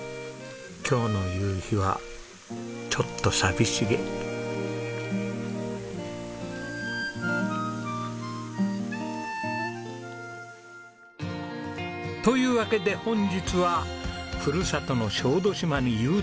今日の夕日はちょっと寂しげ。というわけで本日はふるさとの小豆島にＵターン。